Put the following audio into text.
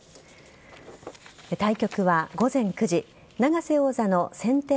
対局は午前９時永瀬王座の先手